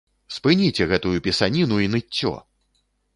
Спыніце гэтую пісаніну і ныццё!